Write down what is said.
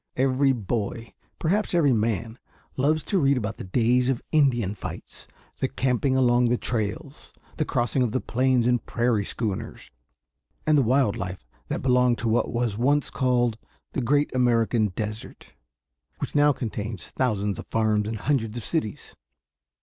Every boy, perhaps every man, loves to read about the days of Indian fights, the camping along the trails, the crossing of the plains in prairie schooners, and the wild life that belonged to what was once called the Great American Desert which now contains thousands of farms and hundreds of cities.